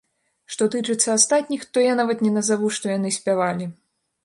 Што тычыцца астатніх, то я нават не назаву, што яны спявалі.